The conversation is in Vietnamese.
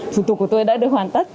thủ tục của tôi đã được hoàn tất